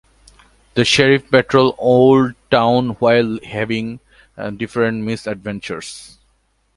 The Sheriff patrols Old Town while having different misadventures.